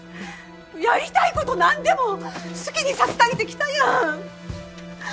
やりたいこと何でも好きにさせてあげてきたやん。